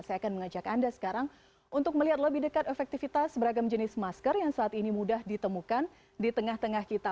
saya akan mengajak anda sekarang untuk melihat lebih dekat efektivitas beragam jenis masker yang saat ini mudah ditemukan di tengah tengah kita